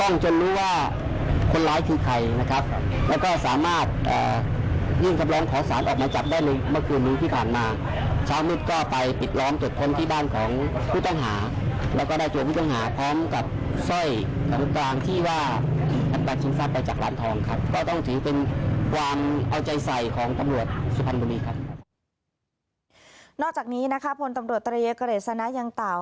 นอกจากนี้พลตำรวจตรายกระเรศนายังเต่า